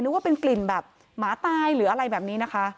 ว่าเป็นกลิ่นแบบหมาตายหรืออะไรแบบนี้นะคะ